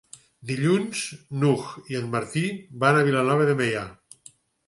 Dilluns n'Hug i en Martí van a Vilanova de Meià.